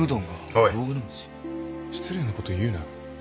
おい失礼なこと言うな。